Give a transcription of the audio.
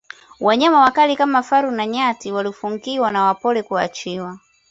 wanyama wakali kama faru na nyati walifungiwa na wapole kuachiwa